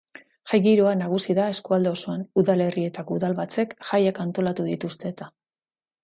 Jai giroa nagusi da eskualde osoan, udalerrietako udalbatzek jaiak antolatu dituzte eta.